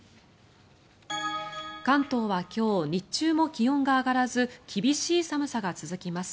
関東は今日日中も気温が上がらず厳しい寒さが続きます。